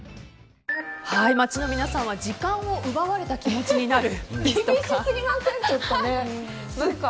街の皆さんは、時間を奪われた気持ちになるですとか。